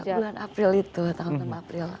bulan april itu tahun enam april